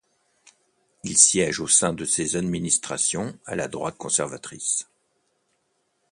Il siège au sein de ses administrations à la droite conservatrice.